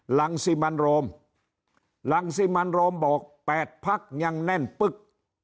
หลังสิมันโรมรังสิมันโรมบอก๘พักยังแน่นปึ๊ก